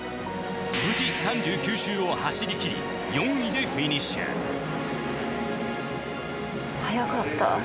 無事３９周を走り切り４位でフィニッシュ速かった。